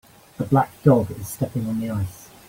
A black dog is stepping on the ice.